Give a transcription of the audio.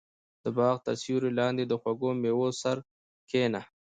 • د باغ تر سیوري لاندې د خوږو مېوو سره کښېنه.